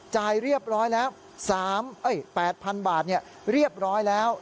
จ่ายเรียบร้อยแล้ว๘๐๐๐บาทเรียบร้อยแล้ว